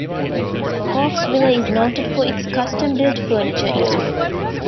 Hawkesville is noted for its custom-built furniture industry.